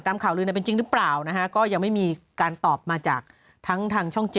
ข่าวลือเป็นจริงหรือเปล่านะฮะก็ยังไม่มีการตอบมาจากทั้งทางช่อง๗